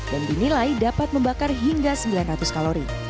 dan dinilai dapat membakar hingga sembilan ratus kalori